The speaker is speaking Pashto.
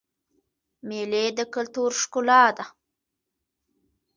مېلې د کلتور ښکلا ده.